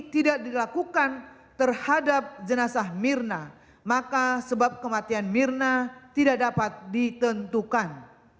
tidak dilakukan terhadap jenazah mirna maka sebab kematian mirna tidak dapat ditentukan